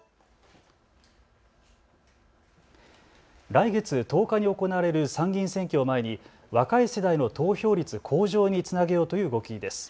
来月１０日に行われる参議院選挙を前に若い世代の投票率向上につなげようという動きです。